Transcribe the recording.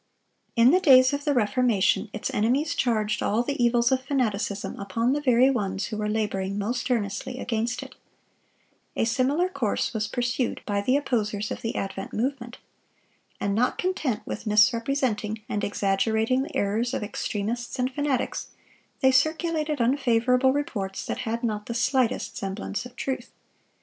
(648) In the days of the Reformation its enemies charged all the evils of fanaticism upon the very ones who were laboring most earnestly against it. A similar course was pursued by the opposers of the Advent Movement. And not content with misrepresenting and exaggerating the errors of extremists and fanatics, they circulated unfavorable reports that had not the slightest semblance of truth.